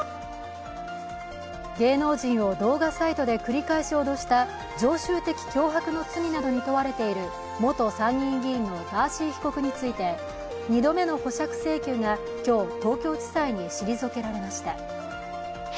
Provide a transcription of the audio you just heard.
芸能人を動画サイトで繰り返し脅した常習的脅迫の罪などに問われている元参議院議員のガーシー被告について２度目の保釈請求が今日、東京地裁に退けられました。